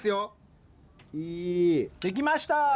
できました！